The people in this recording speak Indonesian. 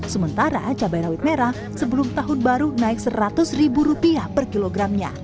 sementara cabai rawit merah sebelum tahun baru naik seratus ribu rupiah per kilogramnya